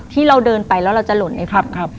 ที่เราเดินไปแล้วเราจะหล่นในฝัน